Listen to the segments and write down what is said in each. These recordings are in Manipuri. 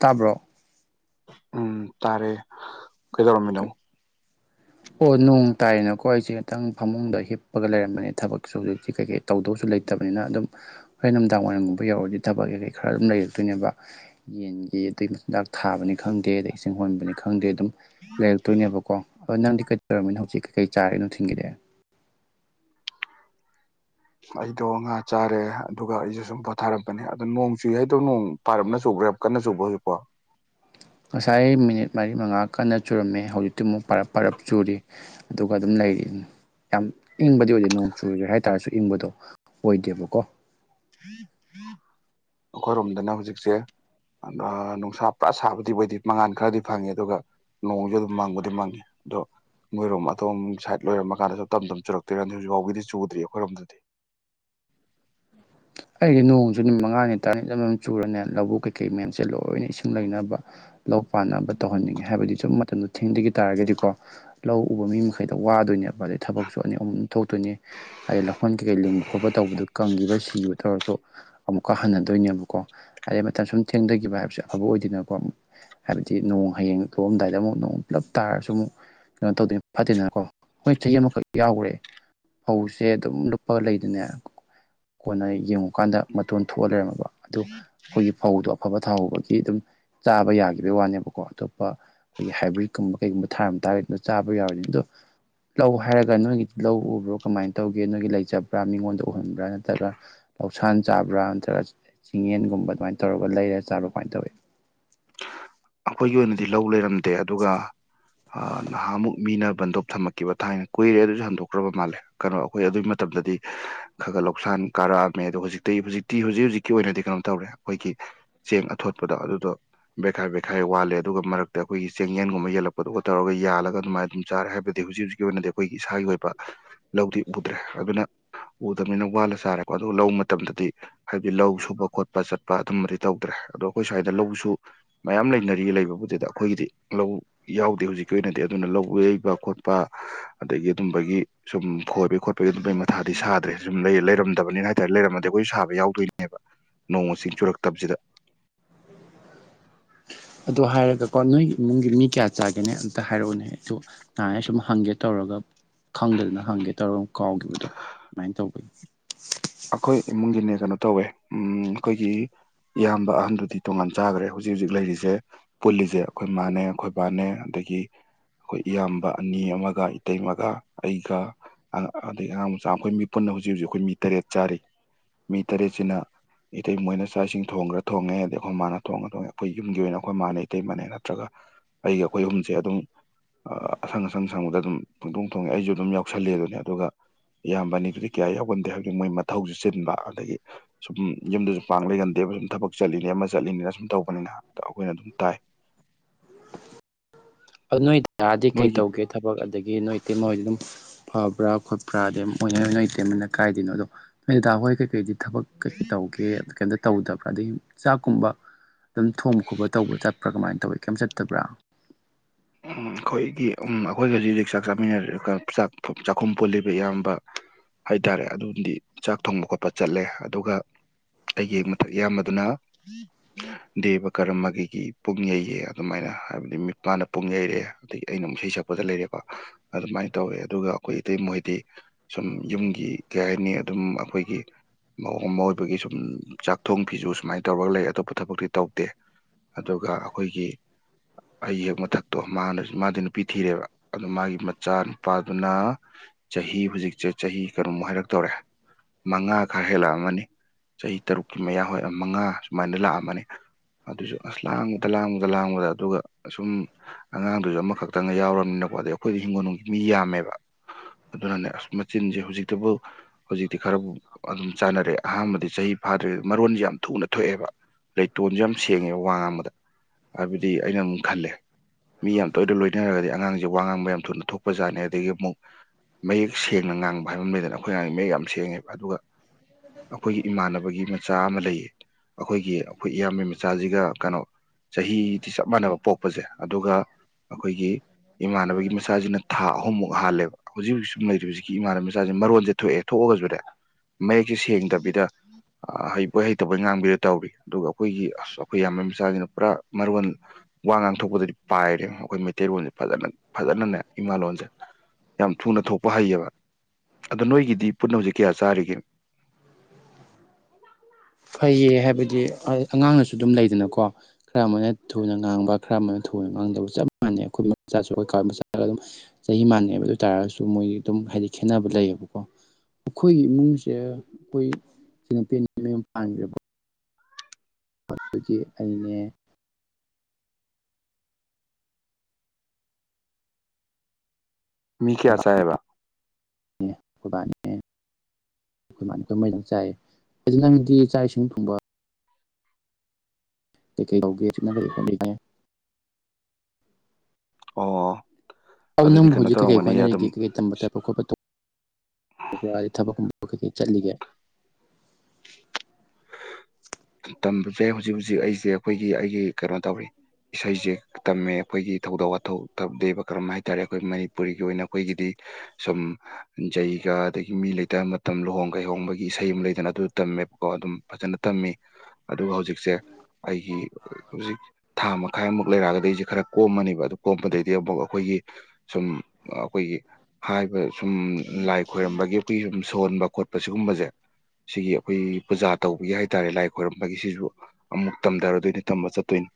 ꯇꯥꯕ꯭ꯔꯣ ꯎꯝ ꯇꯥꯔꯦ ꯀꯩꯗꯧꯔꯝꯃꯤꯅꯣ ꯑꯣ ꯅꯣꯡ ꯇꯥꯏꯅꯀꯣ ꯑꯩꯁꯦ ꯈꯤꯇꯪ ꯐꯃꯨꯡꯗ ꯍꯤꯞꯄꯒ ꯂꯩꯔꯝꯕꯅꯦ ꯊꯕꯛꯁꯨ ꯍꯧꯖꯤꯛꯇꯤ ꯀꯩꯀꯩ ꯇꯧꯗꯧꯁꯨ ꯂꯩꯇꯕꯅꯤꯅ ꯑꯗꯨꯝ ꯍꯣꯔꯦꯟ ꯅꯨꯡꯗꯥꯡ ꯋꯥꯏꯔꯝꯒꯨꯝꯕ ꯌꯧꯔꯗꯤ ꯊꯕꯛ ꯀꯩ ꯀꯩ ꯈꯔ ꯑꯗꯨꯝ ꯂꯩꯔꯛꯇꯣꯏꯅꯦꯕ ꯌꯦꯟ ꯑꯗꯨꯒꯤ ꯃꯆꯤꯟꯖꯥꯛ ꯊꯥꯕꯅꯤ ꯈꯪꯗꯦ ꯑꯗꯩ ꯏꯁꯤꯡ ꯍꯣꯟꯕꯅꯤ ꯈꯪꯗꯦ ꯑꯗꯨꯝ ꯂꯩꯔꯛꯇꯣꯏꯅꯦꯕꯀꯣ ꯑꯗꯣ ꯅꯪꯗꯤ ꯀꯩ ꯇꯧꯔꯝꯃꯤꯅꯣ ꯍꯧꯖꯤꯛ ꯀꯩꯀꯩ ꯆꯥꯔꯦ ꯅꯨꯡꯊꯤꯟꯒꯤꯗꯤ ꯑꯩꯗꯣ ꯉꯥ ꯆꯥꯔꯦ ꯑꯗꯨꯒ ꯑꯩꯁꯨ ꯁꯨꯝ ꯄꯣꯊꯥꯔꯛꯄꯅꯦ ꯑꯣ ꯅꯣꯡ ꯆꯨꯏ ꯍꯥꯏꯗꯣ ꯅꯣꯡ ꯄꯥꯔꯞꯅꯁꯨ ꯒ꯭ꯔꯞ ꯀꯟꯅ ꯆꯨꯕ ꯍꯧꯖꯤꯛꯄꯨ ꯉꯁꯥꯏ ꯃꯤꯅꯤꯠ ꯃꯔꯤ ꯃꯉꯥ ꯀꯟꯅ ꯆꯨꯔꯝꯃꯦ ꯍꯧꯖꯤꯛꯇꯤ ꯑꯃꯨꯛ ꯄꯔꯞ ꯄꯔꯞ ꯆꯨꯔꯤ ꯑꯗꯨꯒ ꯑꯗꯨꯝ ꯂꯩꯔꯤꯅꯤ ꯌꯥꯝ ꯏꯪꯕꯗꯤ ꯑꯣꯏꯗꯦ ꯅꯣꯡ ꯆꯨꯨꯔꯦ ꯍꯥꯏꯇꯥꯥꯔꯁꯨ ꯏꯪꯕꯗꯣ ꯑꯣꯏꯗꯦꯕꯀꯣ [inaudible] ꯑꯩꯈꯣꯏꯔꯣꯝꯗꯅ ꯍꯧꯖꯤꯛꯁꯦ ꯑꯗ ꯅꯨꯡꯁꯥ ꯄꯨꯔꯥ ꯁꯥꯕꯗꯤ ꯑꯣꯏꯗꯤ ꯃꯉꯥꯟ ꯈꯔꯗꯤ ꯐꯪꯉꯦ ꯑꯗꯨꯒ ꯅꯣꯡꯁꯨ ꯑꯗꯨꯝ ꯃꯥꯡꯕꯗꯤ ꯃꯥꯡꯉꯦ ꯑꯗꯣ ꯃꯣꯏꯔꯣꯝ ꯑꯊꯣꯝ ꯁꯥꯏꯠ ꯂꯣꯏꯔꯝꯃ ꯀꯥꯟꯗ ꯁ ꯇꯝ ꯇꯝ ꯆꯨꯔꯛꯇꯣꯏꯔꯅꯤ ꯍꯧꯖꯤꯛꯐꯥꯎꯕꯒꯤꯗꯤ ꯆꯨꯗ꯭ꯔꯤ ꯑꯩꯈꯣꯏꯔꯣꯝꯗꯗꯤ [inaudible] ꯑꯩꯗꯤ ꯅꯣꯡꯁꯨ ꯅꯨꯃꯤꯠ ꯃꯉꯥꯅꯤ ꯇꯔꯥꯅꯤ ꯆꯝꯅꯝ ꯆꯨꯔꯅꯦ ꯂꯧꯕꯨ ꯀꯩꯀꯩ ꯃꯌꯥꯝꯁꯦ ꯂꯣꯏꯅ ꯏꯁꯤꯡ ꯂꯩꯅꯕ ꯊ ꯄꯥꯟꯅꯕ ꯇꯧꯍꯟꯅꯤꯡꯉꯦ ꯍꯥꯏꯕꯗꯤ ꯆꯨꯝ ꯃꯇꯝꯗꯣ ꯊꯦꯡꯗꯈꯤ ꯇꯥꯔꯒꯗꯤꯀꯣ ꯂꯧ ꯎꯕ ꯃꯤ ꯃꯈꯩꯗ ꯋꯥꯗꯣꯏꯅꯦꯕ ꯑꯗꯩ ꯊꯕꯛꯁꯨ ꯑꯅꯤ ꯑꯍꯨꯝ ꯊꯣꯛꯇꯣꯏꯅꯤ ꯍꯥꯏꯗꯤ ꯂꯧꯈꯣꯟ ꯀꯩꯀꯩ ꯂꯤꯡꯕ ꯈꯣꯠꯄ ꯇꯧꯕꯗꯨ ꯀꯪꯈꯤꯕ ꯁꯤ ꯁꯤꯈꯤꯕ ꯇꯧꯔꯁꯨ ꯑꯃꯨꯛꯀ ꯍꯟꯅꯗꯣꯏꯅꯦꯕꯀꯣ ꯑꯗꯩ ꯃꯇꯝ ꯁꯨꯝ ꯊꯦꯡꯊꯈꯤꯕ ꯍꯥꯏꯕꯁꯦ ꯑꯐꯕ ꯑꯣꯏꯗꯅꯀꯣ ꯍꯥꯏꯕꯗꯤ ꯅꯣꯡ ꯍꯌꯦꯡ ꯂꯣꯛꯑꯝꯗꯥꯏꯗ ꯑꯃꯨꯛ ꯅꯣꯡ ꯄꯨꯂꯞ ꯇꯥꯔꯁꯨ ꯑꯃꯨꯛ ꯀꯩꯅꯣ ꯇꯧꯗꯣꯏ ꯐꯠꯇꯦꯗꯅꯀꯣ ꯍꯣꯏ ꯆꯍꯤ ꯑꯃꯈꯛ ꯌꯥꯎꯒ꯭ꯔꯦ ꯐꯧꯁꯦ ꯑꯗꯨꯝ ꯂꯨꯞꯄ ꯂꯩꯗꯅꯦ ꯀꯣꯟꯅ ꯌꯦꯡꯉꯨꯀꯥꯟꯗ ꯃꯇꯣꯟ ꯊꯣꯛꯑ ꯂꯩꯔꯝꯃꯦꯕ ꯑꯗꯨ ꯑꯩꯈꯣꯏꯒꯤ ꯐꯧꯗꯣ ꯑꯐꯕ ꯊꯥꯎ ꯍꯧꯕꯒꯤ ꯑꯗꯨꯝ ꯆꯥꯕ ꯌꯥꯒꯤꯈꯤꯕꯒꯤ ꯋꯥꯅꯦꯕꯀꯣ ꯑꯇꯣꯞꯄ ꯑꯩꯈꯣꯏꯒꯤ ꯍꯥꯏꯕ꯭ꯔꯤꯠꯀꯨꯝꯕ ꯀꯩꯒꯨꯝꯕ ꯊꯥꯔꯝꯇꯗꯤ ꯆꯥꯕ ꯌꯔꯣꯏꯗꯣꯏꯅꯤ ꯑꯗꯣ ꯂꯧ ꯍꯥꯏꯔꯒ ꯅꯣꯏꯒꯤꯗꯤ ꯂꯧ ꯎꯕ꯭ꯔꯣ ꯀꯃꯥꯏꯅ ꯇꯧꯒꯦ ꯅꯣꯏꯒꯤ ꯂꯩꯖꯕ꯭ꯔꯥ ꯃꯤꯉꯣꯟꯗ ꯎꯍꯟꯕ꯭ꯔꯥ ꯅꯠꯇ꯭ꯔ ꯅꯠꯇ꯭ꯔꯒ ꯂꯧꯁꯥꯟ ꯆꯥꯕ꯭ꯔꯥ ꯅꯠꯇ꯭ꯔꯒ ꯆꯤꯡꯌꯦꯟꯒꯨꯝꯕ ꯑꯗꯨꯃꯥꯏꯅ ꯇꯧꯔꯒ ꯂꯩꯔ ꯆꯥꯕ꯭ꯔꯥ ꯀꯃꯥꯏꯅ ꯇꯧꯋꯤ ꯑꯩꯈꯣꯏꯒꯤ ꯑꯣꯏꯅꯗꯤ ꯂꯧ ꯂꯩꯔꯝꯗꯦ ꯑꯗꯨꯒ ꯅꯍꯥꯟꯃꯨꯛ ꯃꯤꯅ ꯕꯟꯗꯣꯞ ꯊꯝꯃꯛꯈꯤꯕ ꯊꯥꯏꯅ ꯀꯨꯏꯔꯦ ꯑꯗꯨꯁꯨ ꯍꯟꯗꯣꯛꯈ꯭ꯔꯕ ꯃꯥꯜꯂꯦ ꯀꯩꯅꯣ ꯑꯩꯈꯣꯏ ꯑꯗꯨꯏ ꯃꯇꯝꯗꯗꯤ ꯈꯔ ꯈꯔꯒ ꯂꯧꯁꯥꯟ ꯀꯥꯔꯛꯑꯝꯃꯦ ꯑꯗꯣ ꯍꯧꯖꯤꯛꯇꯤ ꯍꯧꯖꯤꯛꯇꯤ ꯍꯧꯖꯤꯛ ꯍꯧꯨꯖꯤꯛꯀꯤ ꯑꯣꯏꯅꯗꯤ ꯀꯩꯅꯣ ꯇꯧꯔꯦ ꯑꯩꯈꯣꯏꯒꯤ ꯆꯦꯡ ꯑꯊꯣꯠ ꯗ ꯑꯗꯨꯗꯣ ꯕꯦꯈꯥꯏ ꯕꯦꯛ ꯕꯦꯈꯥꯏ ꯋꯥꯠꯂꯦ ꯑꯗꯨꯒ ꯃꯔꯛꯇ ꯑꯩꯈꯣꯏꯒꯤ ꯆꯦꯡ ꯌꯦꯟꯒꯨꯝꯕ ꯌꯦꯜꯂꯛꯄꯗꯨꯣ ꯇꯧꯔꯒ ꯌꯥꯜꯂꯒ ꯑꯗꯨꯃꯥꯏꯅ ꯑꯗꯨꯝ ꯆꯥꯔꯦ ꯍꯥꯏꯕꯗꯤ ꯍꯧꯖꯤꯛ ꯍꯧꯖꯤꯛꯀꯤ ꯑꯣꯏꯅ ꯑꯩꯈꯣꯏꯒꯤ ꯏꯁꯥꯒꯤ ꯑꯣꯏꯕ ꯂꯧꯗꯤ ꯎꯗ꯭ꯔꯦ ꯑꯗꯨꯅ ꯎꯗꯕꯅꯤꯅ ꯋꯥꯂ ꯆꯥꯔꯦꯀꯣ ꯑꯗꯨꯒ ꯂꯧ ꯃꯇꯝ ꯗꯗꯤ ꯍꯥꯏꯕꯗꯤ ꯂꯧ ꯁꯨꯕ ꯈꯣꯠꯄ ꯆꯠꯄ ꯑꯗꯨꯝꯕꯗꯤ ꯇꯧꯗ꯭ꯔꯦ ꯑꯗꯣ ꯑꯩꯈꯣꯏ ꯁ꯭ꯋꯥꯏꯗ ꯂꯧꯁꯨ ꯃꯌꯥꯝ ꯂꯩꯅꯔꯤ ꯂꯩꯕꯕꯨꯗꯨꯗ ꯑꯩꯈꯣꯏꯒꯤꯗꯤ ꯂꯧ ꯌꯥꯎꯗꯦ ꯍꯧꯖꯤꯛꯀꯤ ꯑꯣꯏꯅꯗꯤ ꯑꯗꯨꯅ ꯂꯧ ꯌꯩꯕ ꯈꯣꯠꯄ ꯑꯗꯒꯤ ꯑꯗꯨꯝꯕꯒꯤ ꯁꯨꯝ ꯈꯣꯏꯕꯒꯤ ꯈꯣꯠꯄꯒꯤ ꯑꯗꯨꯝꯕꯒꯤ ꯃꯊꯥꯗꯤ ꯁꯥꯗ꯭ꯔꯦ ꯁꯨꯝ ꯂꯩ ꯂꯩꯔꯝꯗꯕꯅꯤꯅ ꯍꯥꯏꯇꯥꯔꯦ ꯂꯩꯔꯝꯃꯗꯤ ꯑꯩꯈꯣꯏꯁꯨ ꯁꯥꯕ ꯌꯥꯎꯗꯣꯏꯅꯦꯕ ꯅꯣꯡ ꯆꯤꯡ ꯆꯨꯔꯛꯇꯕꯁꯤꯗ ꯑꯗꯨ ꯍꯥꯏꯔꯒꯀꯣ ꯅꯣꯏ ꯏꯃꯨꯡꯒꯤ ꯃꯤ ꯀꯌꯥ ꯆꯥꯒꯦꯅꯦ ꯑꯝꯇ ꯍꯥꯏꯔꯛꯎꯅꯦ ꯑꯗꯨ ꯅꯍꯥꯟꯒꯩ ꯁꯨꯝ ꯍꯪꯒꯦ ꯇꯧꯔꯒ ꯇꯧꯔꯒ ꯈꯪꯗꯗꯅ ꯍꯪꯒꯦ ꯇꯧꯔꯒ ꯑꯃꯨꯛ ꯀꯥꯎꯈꯤꯕꯗꯣ ꯑꯗꯨꯃꯥꯏꯅ ꯇꯧꯕꯒꯤ ꯑꯩꯈꯣꯏ ꯏꯃꯨꯡꯒꯤꯅꯦ ꯀꯩꯅꯣ ꯇꯧꯋꯦ ꯎꯝ ꯑꯩꯈꯣꯏꯒꯤ ꯏꯌꯥꯝꯕ ꯑꯍꯟꯗꯨꯗꯤ ꯇꯣꯉꯥꯟ ꯆꯥꯈ꯭ꯔꯦ ꯍꯧꯖꯤꯛ ꯍꯧꯖꯤꯛ ꯂꯩꯔꯤꯖꯦ ꯄꯨꯜꯂꯤꯁꯦ ꯑꯩꯈꯣꯏ ꯏ ꯃꯥꯅꯦ ꯑꯩꯈꯣꯏ ꯕꯥꯅꯦ ꯑꯗꯒꯤ ꯗꯒꯤ ꯑꯩꯈꯣꯏ ꯏꯌꯥꯝꯕ ꯑꯅꯤ ꯑꯃꯒ ꯏꯇꯩꯃꯒ ꯑꯩꯒ ꯑꯗꯗꯒꯤ ꯑꯉꯥꯡ ꯃꯆꯥ ꯑꯩꯈꯣꯏ ꯃꯤꯄꯨꯟꯅ ꯍꯧꯖꯤꯛ ꯍꯧꯖꯤꯛ ꯑꯩꯈꯣꯏ ꯃꯤ ꯇꯔꯦꯠ ꯆꯥꯔꯤ ꯃꯤ ꯇꯔꯦꯠꯁꯤꯅ ꯏꯇꯩ ꯃꯣꯏꯅ ꯆꯥꯛ ꯏꯁꯤꯡ ꯊꯣꯡꯈ꯭ꯔ ꯊꯣꯡꯉꯦ ꯑꯩ ꯑꯩꯈꯣꯏ ꯃꯥꯅ ꯊꯣꯡꯉ ꯊꯣꯡꯉꯦ ꯑꯩꯈꯣꯏ ꯌꯨꯝꯒꯤ ꯑꯣꯏꯅ ꯑꯩꯈꯣꯏ ꯃꯥꯅ ꯏꯇꯩ ꯃꯅꯦ ꯅꯠꯇ꯭ꯔꯒ ꯑꯩꯒꯤ ꯑꯩꯈꯣꯏ ꯑꯍꯨꯝꯁꯦ ꯑꯗꯨꯝ ꯑꯥ ꯑꯁꯪ ꯑꯁꯪ ꯁꯪꯕꯗ ꯑꯗꯨꯝ ꯄꯪꯊꯣꯡ ꯊꯣꯡꯉꯦ ꯑꯩꯁꯨ ꯑꯗꯨꯝ ꯌꯥꯎꯁꯜꯂꯤ ꯑꯗꯨꯅꯦ ꯑꯗꯨꯒ ꯏꯌꯥꯝꯕ ꯑꯅꯤꯗꯨꯗꯤ ꯀꯌꯥ ꯌꯎꯒꯟꯗꯦ ꯃꯣꯏ ꯃꯊꯧꯁꯨ ꯆꯤꯟꯕ ꯑꯗꯒꯤ ꯁꯨꯝ ꯌꯨꯝꯗꯁꯨ ꯄꯥꯡ ꯂꯩꯒꯟꯗꯦꯕ ꯁꯨꯝ ꯊꯕꯛ ꯆꯠꯂꯤꯅꯤ ꯑꯃ ꯆꯠꯂꯤꯅꯤꯅ ꯁꯨꯝ ꯇꯧꯕꯅꯤꯅ ꯑꯩꯈꯣꯏꯅ ꯑꯗꯨꯝ ꯇꯥꯏ ꯑꯗꯨ ꯅꯣꯏ ꯗꯥꯗꯤ ꯀꯩ ꯅꯣꯏꯒꯤ ꯇꯧꯒꯦ ꯊꯕꯛ ꯑꯗꯒꯤ ꯅꯣꯏ ꯏꯇꯩꯃꯍꯣꯏꯗꯤ ꯑꯗꯨꯝ ꯐꯕ꯭ꯔꯥ ꯈꯣꯠꯄ꯭ꯔꯥꯗꯤ ꯅꯣꯏ ꯏꯇꯩꯃꯅ ꯀꯥꯏꯗꯩꯅꯣ ꯑꯗꯣ ꯅꯣꯏꯗꯍꯣꯏ ꯀꯩꯀꯩꯗꯤ ꯊꯕꯛ ꯀꯩꯀꯩ ꯇꯧꯒꯦ ꯑꯗꯨ ꯀꯩꯝꯇ ꯇꯧꯗꯕ꯭ꯔꯥ ꯑꯗꯩ ꯆꯥꯛꯀꯨꯝꯕ ꯑꯗꯨꯝ ꯊꯣꯡꯕ ꯈꯣꯠꯄ ꯇꯧꯕ ꯆꯠꯄ꯭ꯔꯥ ꯀꯃꯥꯏꯅ ꯇꯧꯋꯤ ꯀꯩꯝ ꯆꯠꯇꯕ꯭ꯔꯥ ꯎꯝ, ꯑꯩꯈꯣꯏꯒꯤ ꯑꯩꯈꯣꯏꯒ ꯍꯧꯖꯤꯛ ꯍꯧꯖꯤꯛ ꯆꯥꯛ ꯆꯥꯃꯤꯟꯅꯔ ꯆꯥꯛ ꯆꯥꯛꯈꯨꯝ ꯄꯨꯣꯜꯂꯤꯕ ꯏꯌꯥꯝꯕ ꯍꯥꯏ ꯇꯔꯦ ꯑꯗꯨꯗꯤ ꯆꯥꯛ ꯊꯣꯡꯕ ꯈꯣꯠꯄ ꯆꯠꯂꯦ ꯑꯗꯨꯒ ꯑꯩꯒꯤ ꯃꯊꯛ ꯏꯌꯥꯝꯕꯗꯨꯅ ꯗꯦꯕ ꯀꯔꯃꯒꯤꯒꯤ ꯄꯨꯡ ꯌꯩꯌꯦ ꯑꯗꯨꯃꯥꯏꯅ ꯍꯥꯏꯕꯗꯤ ꯃꯤꯄꯥꯟꯅ ꯄꯨꯡ ꯌꯩꯔꯛꯑꯦ ꯑꯗꯒꯤ ꯑꯩꯅ ꯏꯁꯩ ꯁꯛꯄꯗ ꯂꯩꯔꯦꯔ ꯑꯗꯨꯃꯥꯏꯅ ꯇꯧꯋꯦ ꯑꯗꯨꯒ ꯑꯩꯈꯣꯏ ꯏꯇꯩꯃ ꯍꯣꯏꯗꯤ ꯁꯨꯝ ꯌꯨꯝꯒꯤ ꯀꯩ ꯍꯥꯏꯅꯤ ꯑꯗꯨꯝ ꯑꯩꯈꯣꯏꯒꯤ ꯃꯧ ꯑꯃ ꯑꯣꯏꯕꯒꯤ ꯁꯨꯝ ꯆꯥꯛ ꯊꯣꯡ ꯐꯤꯁꯨ ꯁꯨꯃꯥꯏꯅ ꯇꯧꯔꯒ ꯂꯩ ꯑꯇꯣꯞꯄ ꯊꯕꯛꯇꯤ ꯇꯧꯗꯦ ꯑꯗꯨꯒ ꯑꯩꯈꯣꯏꯒꯤ ꯑꯩꯒꯤ ꯍꯦꯛ ꯃꯊꯛ ꯃꯥꯅ ꯃꯥꯗꯤ ꯅꯨꯄꯤ ꯊꯤꯔꯦꯕ ꯑꯗꯣ ꯃꯥꯒꯤ ꯃꯆꯥ ꯅꯨꯄꯥꯗꯨꯅ ꯆꯍꯤ ꯍꯧꯖꯤꯛꯁꯦ ꯆꯍꯤ ꯀꯩꯅꯣꯃꯨꯛ ꯍꯥꯏꯔꯛꯇꯧꯔꯦ ꯃꯉꯥ ꯈꯔ ꯍꯦꯜꯂꯛ ꯑꯝꯃꯅꯤ ꯆꯍꯤ ꯇꯔꯨꯛꯀꯤ ꯃꯌꯥ ꯍꯣꯏ ꯃꯉꯥ ꯁꯨꯃꯥꯏꯅ ꯂꯥꯛꯑꯝꯃꯅꯤ ꯑꯗꯨꯁꯨ ꯑꯁ ꯂꯥꯡꯕꯗ ꯂꯥꯡꯕꯗ ꯂꯥꯡꯕꯗ ꯑꯗꯨꯒ ꯑꯁꯨꯝ ꯑꯉꯥꯡꯗꯨꯁꯨ ꯑꯃꯈꯛꯇꯪꯒ ꯌꯥꯎꯔꯕꯅꯤꯅꯀꯣ ꯑꯗꯩ ꯑꯩꯈꯣꯏꯗꯤ ꯍꯤꯡꯒꯣꯜꯅꯨꯡꯒꯤ ꯃꯤ ꯌꯥꯝꯃꯦꯕ ꯑꯗꯨꯅꯅꯦ ꯑꯁ ꯃꯆꯤꯟꯁꯦ ꯍꯧꯖꯤꯛꯇꯕꯨ ꯍꯧꯖꯤꯛꯇꯤ ꯈꯔꯕꯨ ꯑꯗꯨꯝ ꯆꯥꯟꯅꯔꯦ ꯑꯍꯥꯟꯕꯗꯤ ꯆꯍꯤ ꯐꯥꯗ꯭ꯔꯤ ꯃꯔꯣꯟꯁꯦ ꯌꯥꯝ ꯊꯨꯅ ꯊꯣꯛꯑꯦꯕ ꯂꯩꯇꯣꯟꯁꯨ ꯌꯥꯝ ꯁꯦꯡꯉꯦꯕ ꯋꯥ ꯉꯥꯡꯕꯗ ꯍꯥꯏꯕꯗꯤ ꯑꯩꯅ ꯑꯃꯨꯛ ꯈꯜꯂꯦ ꯃꯤ ꯌꯥꯝ ꯇꯣꯏꯇꯣꯢꯅ ꯂꯣꯏꯅꯔꯒꯗꯤ ꯑꯉꯥꯡꯁꯦ ꯋꯥ ꯉꯥꯡꯕ ꯌꯥꯝ ꯊꯨꯅ ꯊꯣꯛꯄ ꯖꯥꯠꯅꯤ ꯑꯗꯒꯤ ꯑꯃꯨꯛ ꯃꯌꯦꯛ ꯁꯦꯡꯅ ꯉꯥꯡꯕ ꯍꯥꯏꯕ ꯑꯃ ꯂꯩꯗꯅ ꯑꯩꯈꯣꯏ ꯉꯥꯡꯁꯦ ꯃꯌꯦꯛ ꯌꯥꯝ ꯁꯦꯡꯉꯦꯕ ꯑꯗꯨꯒ ꯑꯈꯣꯏꯒꯤ ꯏꯃꯥꯟꯅꯕꯒꯤ ꯃꯆꯥ ꯑꯃ ꯂꯩꯌꯦ ꯑꯈꯣꯏꯒꯤ ꯑꯈꯣꯏ ꯏꯌꯥꯝꯕ ꯃꯆꯥꯁꯤꯒ ꯀꯩꯅꯣ ꯆꯍꯤꯗꯤ ꯆꯞ ꯃꯥꯟꯅꯕ ꯄꯣꯛꯄꯖꯦ ꯑꯗꯨꯒ ꯑꯈꯣꯏꯒꯤ ꯏꯃꯥꯟꯅꯕꯒꯤ ꯃꯆꯥꯖꯤꯅ ꯊꯥ ꯑꯍꯨꯝꯃꯨꯛ ꯍꯥꯜꯂꯦꯕ ꯍꯧꯖꯤꯛ ꯍꯧꯖꯤꯛ ꯁꯨꯝ ꯂꯩꯔꯤ ꯍꯨꯖꯤꯛꯀꯤ ꯏꯃꯥꯟꯅꯕ ꯃꯆꯥꯖꯦ ꯃꯔꯣꯟꯁꯦ ꯊꯣꯛꯑꯦ ꯊꯣꯛꯑꯒꯁꯨꯅꯦ ꯃꯌꯦꯛꯁꯦ ꯁꯦꯡꯗꯕꯤꯗ ꯍꯩꯕꯣꯏ ꯍꯩꯇꯕꯣꯢ ꯉꯥꯡꯕꯤꯗꯣ ꯇꯧꯔꯤ ꯑꯗꯨꯒ ꯑꯈꯣꯏꯒꯤ ꯑꯁ ꯑꯈꯣꯏ ꯏꯌꯥꯝꯕ ꯃꯆꯥꯁꯤꯅ ꯄꯨꯔꯥ ꯃꯔꯣꯟ ꯋꯥ ꯉꯥꯡꯊꯣꯛꯄꯗꯗꯤ ꯄꯥꯏꯔꯦ ꯑꯈꯣꯏ ꯃꯩꯇꯩꯔꯣꯟꯁꯦ ꯐꯖꯅ ꯐꯖꯅꯅꯦ ꯏꯃꯥꯂꯣꯟꯁꯦ ꯌꯥꯝ ꯊꯨꯅ ꯊꯣꯛꯄ ꯍꯩꯌꯦꯕ ꯑꯗꯣ ꯅꯣꯏꯒꯤꯗꯤ ꯄꯨꯟꯅ ꯍꯧꯖꯤꯛ ꯀꯌꯥ ꯆꯥꯔꯤꯒꯦ [inaudible] ꯐꯩꯌꯦ ꯍꯥꯏꯕꯗꯤ ꯑꯉꯥꯡꯅꯁꯨ ꯑꯗꯨꯝ ꯂꯩꯗꯅꯀꯣ ꯈꯔ ꯑꯃꯅ ꯊꯨꯅ ꯉꯥꯡꯕ ꯈꯔ ꯑꯃꯅ ꯊꯨꯅ ꯉꯥꯡꯗꯕ ꯆꯞ ꯃꯥꯟꯅꯩ ꯑꯈꯣꯏ ꯃꯆꯥꯁꯨ ꯑꯈꯣꯏ ꯀꯥ ꯃꯆꯥꯒ ꯑꯗꯨꯝ ꯆꯍꯤ ꯃꯥꯟꯅꯩꯕ ꯑꯗꯨ ꯑꯣꯏ ꯇꯔꯁꯨ ꯃꯣꯏꯒꯤ ꯑꯗꯨꯝ ꯍꯥꯏꯗꯤ ꯈꯦꯠꯅꯕ ꯂꯩꯌꯦꯕꯀꯣ ꯑꯩꯈꯣꯏꯒꯤ ꯏꯃꯨꯡꯁꯦ ꯑꯩꯈꯣꯏ ꯏꯆꯟꯅꯨꯄꯤ ꯑꯅꯤ ꯃꯌꯨꯝ [unintelligible] ꯑꯗꯒꯤ ꯑꯩꯅꯦ ꯃꯤ ꯀꯌꯥ ꯆꯥꯏꯑꯦꯕ ꯅꯦ ꯈꯣꯢꯃꯥꯅꯦ ꯈꯣꯢ ꯃꯔꯤꯗꯪ ꯆꯥꯏꯌꯦ [unintelligible] ꯅꯪꯗꯤ ꯆꯥꯛ ꯏꯁꯤꯡ ꯊꯣꯡꯕ ꯀꯩ ꯀꯩ ꯌꯥꯎꯒꯦ ꯍꯖꯤꯛꯅ ꯀꯩ ꯍꯣꯠꯅꯔꯤꯒꯦ ꯑꯣ ꯑꯗꯨ ꯑꯗꯨꯗꯤ ꯅꯪꯕꯨ ꯀꯩꯅꯣ ꯍꯧꯖꯤꯛ ꯀꯩꯀꯩ ꯇꯧꯔꯝꯒꯅꯤ ꯑꯗꯨꯝ ꯍꯣꯠꯅꯔꯤꯒꯦ ꯀꯩꯀꯩ ꯇꯝꯕ ꯆꯠꯄ ꯈꯣꯠꯄ [unintelligible] ꯀꯩꯀꯩ ꯆꯠꯂꯤꯒꯦ ꯇꯝꯕꯖꯦ ꯍꯧꯖꯤꯛ ꯍꯧꯖꯤꯛ ꯑꯩꯖꯦ ꯑꯩꯈꯣꯏꯒꯤ ꯑꯩꯒꯤ ꯀꯩꯅꯣ ꯇꯧꯔꯤ ꯏꯁꯩꯖꯦ ꯇꯝꯃꯦ ꯑꯈꯣꯏꯒꯤ ꯊꯧꯗꯣꯛ ꯋꯥꯊꯣꯛ ꯇ ꯗꯦꯕ ꯀꯔꯝ ꯍꯥꯏꯇꯥꯔꯦ ꯑꯈꯣꯏ ꯃꯅꯤꯄꯨꯔꯤꯒꯤ ꯑꯣꯏꯅ ꯑꯈꯣꯏꯒꯤꯗꯤ ꯁꯨꯝ ꯖ ꯩꯒ ꯑꯗꯒꯤ ꯃꯤ ꯂꯩꯇꯕ ꯃꯇꯝ ꯂꯨꯍꯣꯡꯀꯩꯍꯣꯡꯕꯒꯤ ꯏꯁꯩ ꯑꯃ ꯂꯩꯗꯅ ꯑꯗꯨ ꯇꯝ [unintelligible] ꯑꯗꯨꯝ ꯐꯖꯅ ꯇꯝꯃꯤ ꯑꯗꯨꯒ ꯍꯧꯖꯤꯛꯁꯦ ꯑꯩꯒꯤ ꯍꯧꯖꯤꯛ ꯊꯥ ꯃꯈꯥꯏꯃꯨꯛ ꯂꯩꯔꯛꯑꯒꯗꯤ ꯑꯩꯖꯦ ꯈꯔ ꯀꯣꯝꯃꯅꯦꯕ ꯑꯗꯨ ꯀꯣꯝꯕꯗꯩꯗꯤ ꯑꯃꯨꯛ ꯑꯈꯣꯏꯒꯤ ꯁꯨꯝ ꯑꯈꯣꯏꯒꯤ ꯍꯥꯏꯕ ꯁꯨꯝ ꯂꯥꯏ ꯈꯣꯏꯔꯝꯕꯒꯤ ꯑꯈꯣꯏꯒꯤ ꯁꯨꯝ ꯁꯣꯟꯕ ꯈꯣꯠꯄ ꯁꯤꯒꯨꯝꯕꯖꯦ ꯁꯤꯒꯤ ꯑꯈꯣꯏ ꯄꯨꯖꯥ ꯇꯧꯕꯒꯤ ꯍꯥꯏꯇꯥꯔꯦ ꯂꯥꯏ ꯈꯣꯏꯔꯝꯕꯒꯤꯁꯤꯁꯨ ꯑꯃꯨꯛ ꯇꯝꯗꯔꯗꯣꯏꯅꯤ ꯇꯝꯕ ꯆꯠꯇꯣꯏꯅꯤ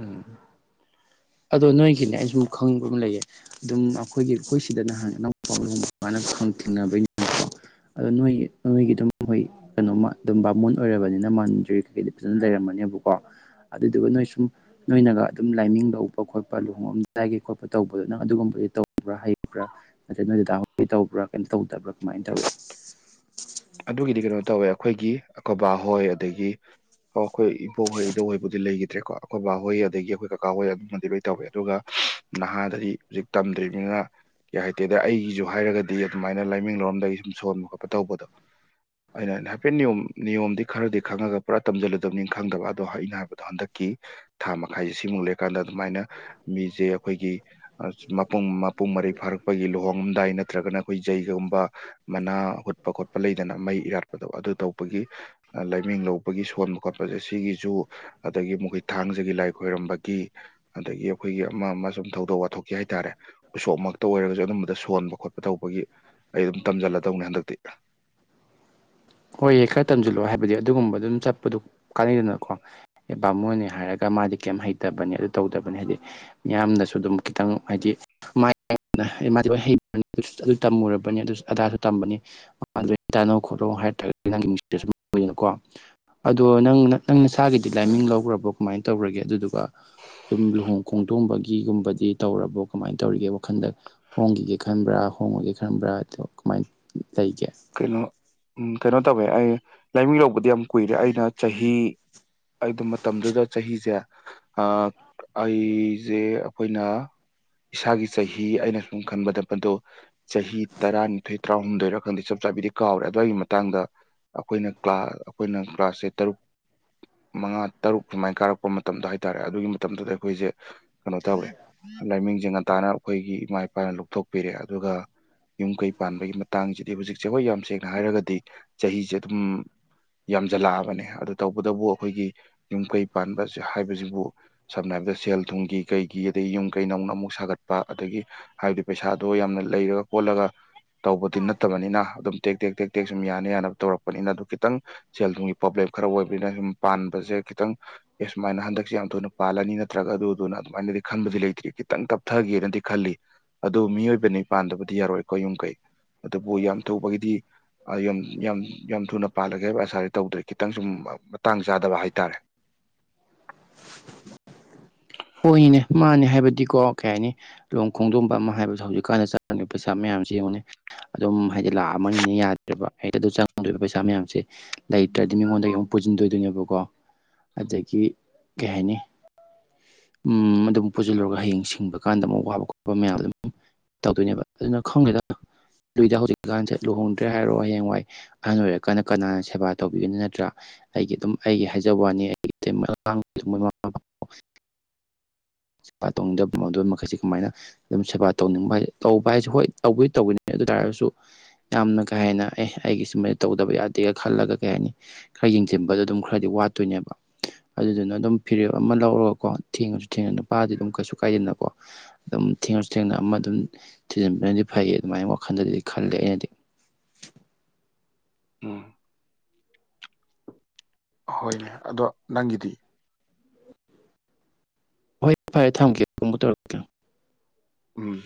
ꯎꯝ ꯑꯗꯣ ꯅꯣꯏꯒꯤꯅꯦ ꯑꯩꯁꯨ ꯈꯪꯕ ꯑꯃ ꯂꯩꯌꯦ ꯑꯗꯨꯝ ꯑꯈꯣꯏꯒꯤ ꯑꯈꯣꯏꯁꯤꯗꯅ ꯅꯍꯥꯟ [unintelligible] [unintelligible] ꯑꯗꯣ ꯅꯣꯏ ꯅꯣꯏꯒꯤ ꯑꯗꯨꯝ ꯃꯣꯏ ꯀꯩꯅꯣꯃ ꯑꯗꯨꯝ ꯕꯥꯃꯣꯟ ꯑꯣꯏꯔꯕꯅꯤꯅ ꯃꯟꯗ꯭ꯔꯤ ꯀꯩꯀꯩꯗꯤ ꯐꯖꯅ ꯂꯩꯔꯝ ꯃꯅꯤꯕꯀꯣ ꯑꯗꯨꯗꯨꯅꯣꯏ ꯁꯨꯝ ꯅꯣꯏꯅꯒ ꯑꯗꯨꯝ ꯂꯥꯏꯃꯤꯡ ꯂꯧꯕ ꯈꯣꯠꯄ ꯂꯨꯍꯣꯡꯉꯝꯗꯥꯢꯒꯤ ꯈꯣꯠꯄ ꯇꯧꯕ ꯅꯪ ꯑꯗꯨꯒꯨꯝꯕꯒꯤ ꯇꯧꯕ꯭ꯔꯥ ꯍꯩꯕ꯭ꯔꯥ ꯅꯠꯇ꯭ꯔ ꯅꯣꯏ ꯗꯗꯥ ꯍꯣꯏ ꯇꯧꯕ꯭ꯔꯥ ꯀꯦꯝ ꯇꯧꯗꯕ꯭ꯔꯥ ꯀꯃꯥꯏꯅ ꯇꯧꯏ [unintelligible] ꯑꯗꯨꯒꯤꯗꯤ ꯀꯩꯅꯣ ꯇꯧꯋꯦ ꯑꯈꯣꯏꯒꯤ ꯑꯀꯣꯏꯕꯥ ꯍꯣꯏ ꯑꯗꯒꯤ ꯑꯣ ꯑꯈꯣꯏ ꯏꯕꯣꯛꯍꯣꯏ ꯏꯗꯧꯍꯣꯏꯕꯨꯗꯤ ꯂꯩꯈꯤꯗ꯭ꯔꯦꯀꯣ ꯑꯈꯣꯏꯕꯥꯍꯣꯏ ꯑꯗꯒꯤ ꯑꯈꯣꯏ ꯀꯀꯥ ꯍꯣꯏ ꯑꯗꯨꯃꯗꯤ ꯂꯣꯏ ꯇꯧꯋꯦ ꯑꯗꯨꯒ ꯅꯍꯥꯗꯗꯤ ꯍꯧꯖꯤꯛ ꯇꯝꯗ꯭ꯔꯤꯕꯅꯤꯅ ꯀꯌꯥ ꯍꯩꯇꯦꯗ ꯑꯩꯒꯤꯁꯨ ꯍꯥꯏꯔꯒꯗꯤ ꯑꯗꯨꯃꯥꯏꯅ ꯂꯥꯏꯃꯤꯡ ꯂꯔꯝꯗꯥꯏꯒꯤ ꯁꯨꯝ ꯁꯣꯟꯕ ꯈꯣꯠꯄ ꯇꯧꯕꯗꯣ ꯑꯩꯅ ꯍꯥꯏꯅ ꯍꯥꯏꯐꯦꯠ ꯅꯤꯌꯣꯝ ꯅꯤꯌꯣꯝꯗꯤ ꯈꯔꯗꯤ ꯈꯪꯉꯒ ꯄꯨꯔꯥ ꯇꯝꯁꯤꯜꯂꯨꯗꯕꯅꯤ ꯈꯪꯗꯕ ꯑꯗꯣ ꯑꯩꯅ ꯍꯥꯏꯕꯗꯣ ꯍꯟꯗꯛꯀꯤ ꯊꯥ ꯃꯈꯥꯏꯁꯤꯃꯨꯛ ꯂꯩꯔꯀꯥꯟꯗ ꯑꯗꯨꯃꯥꯏꯅ ꯃꯤꯖꯦ ꯑꯈꯣꯏꯒꯤ ꯃꯄꯨꯡ ꯃꯄꯨꯡ ꯃꯔꯩ ꯐꯥꯔꯛꯄꯒꯤ ꯂꯨꯍꯣꯡꯉꯝꯗꯥꯏ ꯅ ꯅꯠꯇ꯭ꯔꯒꯅ ꯑꯈꯣꯏ ꯖꯩꯒꯒꯨꯝꯕ ꯃꯅꯥ ꯍꯨꯠꯄ ꯈꯣꯠꯄ ꯂꯩꯗꯅ ꯃꯩ ꯏꯔꯥꯠꯄꯗꯣ ꯑꯗꯨ ꯇꯧ ꯕꯒꯤ ꯑ ꯂꯥꯏꯃꯤꯡ ꯂꯧꯕꯒꯤ ꯁꯣꯟꯕ ꯈꯣꯠꯄꯖꯦ ꯁꯤꯒꯤꯁꯨ ꯑꯗꯒꯤ ꯃꯈꯣꯏ ꯊꯥꯡꯖꯒꯤ ꯂꯥꯏ ꯈꯣꯏꯔꯝ ꯑꯝꯕꯒꯤ ꯑꯗꯒꯤ ꯑꯈꯣꯏꯒꯤ ꯑꯃ ꯑꯃ ꯁꯨꯝ ꯊꯧꯗꯣꯛ ꯋꯥꯊꯣꯛꯀꯤ ꯍꯥꯏꯇꯥꯔꯦ ꯎꯁꯣꯛꯃꯛꯇ ꯑꯣꯏꯔꯒꯁꯨ ꯑꯗꯨꯝꯕꯗ ꯁꯣꯟꯕ ꯈꯣꯠꯄ ꯇꯧꯕꯒꯤ ꯑꯩ ꯑꯗꯨꯝ ꯇꯝꯖꯜꯂꯗꯧꯅꯦ ꯍꯟꯗꯛꯇꯤ ꯍꯣꯏꯌꯦ ꯈꯔ ꯇꯝꯁꯤꯜꯂꯣ ꯍꯥꯏꯕꯗꯤ ꯑꯗꯨꯒꯨꯝꯕ ꯑꯗꯨꯝ ꯆꯠꯄꯗꯨ ꯀꯥꯟꯅꯩꯗꯅꯀꯣ ꯑꯦ ꯕꯥꯃꯣꯟꯅꯦ ꯍꯥꯏꯔꯒ ꯃꯥꯗꯤ ꯀꯦꯝ ꯍꯩꯇꯕꯅꯤ ꯑꯗꯨ ꯇꯧꯗꯕꯅꯤ ꯍꯥꯏꯗꯤ ꯃꯤꯌꯥꯝꯅꯁꯨ ꯑꯗꯨꯝ ꯈꯤꯇꯪ ꯍꯥꯏꯗꯤ ꯃꯥꯗꯤ ꯂꯣꯏ ꯍꯩ ꯑꯗꯨ ꯇꯝꯃꯨꯔꯕꯅꯤ ꯑꯗꯨ ꯑꯗꯥꯁꯨ ꯇꯝꯕꯅꯤ ꯃꯥꯗ ꯇꯥꯅꯣ ꯈꯣꯠꯅꯣ ꯍꯥꯏꯔ [unintelligible] ꯑꯗꯣ ꯅꯪ ꯅꯪ ꯅꯁꯥꯒꯤꯗꯤ ꯂꯥꯏꯃꯤꯡ ꯂꯧꯈ꯭ꯔꯕꯣ ꯀꯃꯥꯏꯅ ꯇꯧꯔꯒꯦ ꯑꯗꯨꯗꯨ ꯗꯨꯝ ꯂꯨꯍꯣꯡ ꯈꯣꯡꯗꯣꯡꯕꯒꯤ ꯒꯤꯒꯨꯝꯕꯗꯤ ꯇꯧꯔꯕꯣ ꯀꯃꯥꯏꯅ ꯇꯧꯔꯤꯒꯦ ꯋꯥꯈꯟꯗ ꯍꯣꯡꯈꯤꯒꯦ ꯈꯟꯕ꯭ꯔꯥ ꯍꯣꯡꯉꯒꯦ ꯈꯟꯕ꯭ꯔꯥ ꯀꯃꯥꯏ ꯂꯩꯒꯦ ꯀꯩꯅꯣ ꯎꯝ ꯀꯩꯅꯣ ꯇꯧꯋꯦ ꯑꯩ ꯂꯥꯏꯃꯤꯡ ꯂꯧꯕꯗꯤ ꯌꯥꯝ ꯀꯨꯏꯔꯦ ꯑꯩꯅ ꯆꯍꯤ ꯑꯩꯗꯣ ꯃꯇꯝꯗꯨꯗ ꯆꯍꯤꯁꯦ ꯑꯥ ꯑꯩꯁꯦ ꯑꯩꯈꯣꯏꯅ ꯏꯁꯥꯒꯤ ꯆꯍꯤ ꯑꯩꯅ ꯁꯨꯝ ꯈꯟꯕꯗ ꯃꯗꯨ ꯆꯍꯤ ꯇꯔꯥꯅꯤꯊꯣꯏ ꯇꯔꯥꯍꯨꯝꯗꯣꯏꯔꯥ ꯈꯪꯗꯦ ꯆ ꯆꯥꯕꯤꯗꯤ ꯀꯥꯎꯔꯦ ꯑꯗꯨꯋꯥꯏꯒꯤ ꯃꯇꯥꯡꯗ ꯑꯩꯈꯣꯏꯅ ꯀ꯭ꯂꯥ ꯑꯩꯈꯣꯏꯅ ꯀ꯭ꯂꯥꯁꯁꯦ ꯇꯔꯨꯛ ꯃꯉꯥ ꯇꯔꯨꯛ ꯁꯨꯃꯥꯏꯅ ꯀꯥꯔꯛꯄ ꯃꯇꯝꯗ ꯍꯥꯏꯇꯥꯔꯦ ꯑꯗꯨꯒꯤ ꯃꯇꯝꯗꯨꯗ ꯑꯩꯈꯣꯏꯁꯦ ꯀꯩꯅꯣ ꯇꯧꯔꯦ ꯂꯥꯏꯃꯤꯡꯁꯤ ꯉꯟꯇꯥꯥꯅ ꯑꯩꯈꯣꯏꯒꯤ ꯏꯃꯥ ꯏꯄꯥꯅ ꯂꯧꯊꯣꯛꯄꯤꯔꯦ ꯑꯗꯨꯒ ꯌꯨꯝ ꯀꯩ ꯄꯥꯟꯕꯒꯤ ꯃꯇꯥꯡꯁꯤꯗꯤ ꯍꯧꯖꯤꯛꯁꯦ ꯑꯩꯈꯣꯏ ꯌꯥꯝ ꯁꯦꯡꯅ ꯍꯥꯏꯔꯒꯗꯤ ꯆꯍꯤꯁꯦ ꯑꯗꯨꯝ ꯌꯥꯝꯖꯜꯂꯛꯑꯕꯅꯦ ꯑꯗꯨ ꯇꯧꯕꯇꯕꯨ ꯑꯩꯈꯣꯏꯒꯤ ꯌꯨꯝ ꯀꯩ ꯄꯥꯟꯕ ꯍꯥꯏꯕꯁꯤꯕꯨ ꯁꯝꯅ ꯁꯦꯜ ꯊꯨꯝꯒꯤ ꯀꯩꯒꯤ ꯑꯗꯒꯤ ꯌꯨꯝ ꯀꯩ ꯅꯧꯅ ꯑꯃꯨꯛ ꯁꯥꯒꯠꯄ ꯑꯗꯒꯤ ꯍꯥꯏꯕꯗꯤ ꯄꯩꯁꯥꯗꯣ ꯌꯥꯝꯅ ꯂꯩꯔꯒ ꯀꯣꯜꯂꯒ ꯇꯧꯕꯗꯤ ꯅꯠꯇꯕꯅꯤꯅ ꯑꯗꯨꯝ ꯇꯦꯛ ꯇꯦꯛ ꯇꯦꯛ ꯇꯦꯛ ꯁꯨꯝ ꯌꯥꯅ ꯌꯥꯅꯕ ꯇꯧꯔꯛꯄꯅꯤꯅ ꯑꯗꯨ ꯈꯤꯇꯪ ꯁꯦꯜ ꯊꯨꯝꯒꯤ ꯄ꯭ꯔꯣꯕ꯭ꯂꯦꯝ ꯈꯔ ꯑꯣꯏꯕꯅꯤꯅ ꯁꯨꯝ ꯄꯥꯟꯕꯁꯦ ꯈꯤꯇꯪ ꯑꯦ ꯁꯨꯃꯥꯏꯅ ꯍꯟꯗꯛꯁꯦ ꯌꯥꯝ ꯊꯨꯅ ꯄꯥꯜꯂꯅꯤ ꯅꯠꯇ꯭ꯔꯒ ꯑꯗꯨꯗꯨꯅ ꯑꯗꯨꯃꯥꯏꯅꯗꯤ ꯈꯟꯕꯗꯤ ꯂꯩꯇ꯭ꯔꯤ ꯈꯤꯇꯪ ꯇꯞꯊꯒꯦꯅꯗꯤ ꯈꯜꯂꯤ ꯑꯗꯨ ꯃꯤꯑꯣꯏꯕꯅꯤ ꯄꯥꯟꯗꯕꯗꯤ ꯌꯥꯔꯣꯏꯀꯣ ꯌꯨꯝ ꯀꯩ ꯑꯗꯨꯕꯨ ꯌꯥꯝ ꯑ ꯌꯨꯝ ꯌꯝ ꯌꯥꯝ ꯊꯨꯅ ꯄꯥꯜꯂꯒꯦ ꯍꯥꯏꯕ ꯑꯁꯥꯥꯗꯤ ꯇꯧꯗ꯭ꯔꯤ ꯈꯤꯇꯪ ꯁꯨꯝ ꯃꯇꯥꯡ ꯆꯥꯗꯕ ꯍꯥꯏꯇꯥꯔꯦ ꯍꯣꯏꯅꯦ ꯃꯥꯅꯦ ꯍꯥꯏꯕꯗꯤꯀꯣ ꯀꯩ ꯍꯥꯏꯅꯤ ꯂꯨꯍꯣꯡ ꯈꯣꯡꯗꯣꯝꯕ ꯑꯃ ꯍꯥꯏꯕꯗꯣ ꯍꯧꯖꯤꯛꯀꯥꯟꯗ ꯆꯪꯉꯤ ꯄꯩꯁꯥ ꯃꯌꯥꯝ ꯁꯤꯉꯣꯅꯦ ꯑꯗꯨꯝ ꯍꯥꯏꯗꯤ ꯂꯥꯛ ꯑꯝꯃ ꯅꯤꯅ ꯌꯥꯗ꯭ꯔꯦꯕ ꯍꯛꯇ ꯑꯗꯨ ꯆꯪꯗꯣꯏꯕ ꯄꯩꯁꯥ ꯃꯌꯥꯝꯁꯦ ꯂꯩꯇ꯭ꯔꯗꯤ ꯃꯤꯉꯣꯟꯗꯒꯤ ꯑꯃꯨꯛ ꯄꯨ ꯄꯨꯁꯤꯟꯗꯣꯗꯣꯏꯅꯦꯕꯀꯣ ꯑꯗꯒꯩ ꯀꯩ ꯍꯥꯏꯅꯤ ꯎꯝ ꯑꯗꯨꯝ ꯄꯨꯁꯤꯜꯂꯨꯔꯒ ꯍꯌꯦꯡ ꯁꯤꯡꯕ ꯀꯥꯟꯗ ꯑꯃꯨꯛ ꯋꯥꯕ ꯈꯣꯠꯄ ꯃꯌꯥꯝ ꯑꯗꯨꯝ ꯇꯧꯗꯣꯏꯅꯦꯕ ꯑꯗꯨꯅ ꯈꯪꯗꯦꯗ ꯂꯧꯎꯗ ꯍꯧꯖꯤꯛꯀꯥꯟꯁꯦ ꯂꯨꯍꯣꯡꯗ꯭ꯔꯦ ꯍꯥꯏꯔꯣ ꯍꯌꯦꯡꯋꯥꯏ ꯑꯍꯟ ꯑꯣꯏꯔꯀꯥꯟꯗ ꯀꯅꯥꯅ ꯁꯦꯕꯥ ꯇꯧꯕꯤꯅꯤ ꯅꯠꯇ꯭ꯔꯥ ꯑꯩꯒꯤ ꯑꯗꯨꯝ ꯑꯩꯒꯤ ꯍꯥꯏꯖꯕ ꯋꯥꯅꯤ ꯑꯩ [unintelligible] [inaudible] ꯁꯦꯕꯥ ꯇꯧꯅꯤꯡꯗꯕ ꯃꯗꯨ ꯃꯈꯩꯁꯤ ꯀꯃꯥꯏꯅ ꯑꯗꯨꯝ ꯁꯦꯕꯥ ꯇꯧꯅꯤꯡꯕ ꯍꯥꯏ ꯇꯧꯕ ꯍꯥꯏꯁꯦ ꯍꯣꯏ ꯇꯧꯕꯨꯗꯤ ꯇꯧꯋꯦ ꯑꯗꯨ ꯇꯔꯒꯁꯨ ꯌꯥꯝꯅ ꯀꯩ ꯍꯥꯏꯅ ꯑꯦ ꯑꯩꯒꯤ ꯁꯨꯃꯥꯏꯅ ꯇꯧꯗꯕ ꯌꯥꯗꯦ ꯈꯜꯂꯒ ꯀꯩ ꯍꯥꯏꯅꯤ ꯌꯦꯡꯁꯤꯟꯕꯗꯣ ꯑꯗꯨꯝ ꯈꯔꯗꯤ ꯋꯥꯠꯇꯣꯏꯅꯦꯕ ꯑꯗꯨꯗꯨꯅ ꯑꯗꯨꯝ ꯐꯤꯔꯦꯞ ꯑꯃ ꯂꯧꯔꯒꯀꯣ ꯊꯦꯡꯉꯁꯨ ꯊꯦꯡꯅ ꯅꯨꯄꯥꯗꯤ ꯑꯗꯨꯝ ꯀꯩꯁꯨ ꯀꯥꯏꯗꯦꯅꯀꯣ ꯑꯗꯨꯝ ꯊꯦꯡꯉꯁꯨ ꯊꯦꯡꯅ ꯑꯃ ꯑꯗꯨꯝ ꯊꯤꯖꯤꯟꯕꯅ ꯐꯩꯌꯦ ꯑꯗꯨꯃꯥꯏꯅ ꯋꯥꯈꯜꯗꯗꯤ ꯈꯜꯂꯦ ꯑꯩꯅꯗꯤ ꯎꯝ ꯍꯣꯏꯅꯦ ꯑꯗꯣ ꯅꯪꯒꯤꯗꯤ ꯍꯣꯏ ꯐꯔꯦ ꯊꯝꯃꯒꯦ ꯑꯃꯨꯛ ꯇꯧꯔꯛꯀꯦ ꯎꯝ